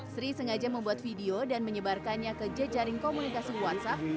sri sengaja membuat video dan menyebarkannya ke jejaring komunikasi whatsapp